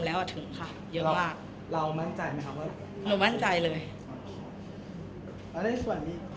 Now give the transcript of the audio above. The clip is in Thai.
แสดงว่าเขาจะพอแน่นตมัดอย่างเงียบ